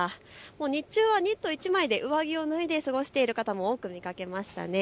日中はニット１枚で上着を脱いで過ごしている方も多く見かけました。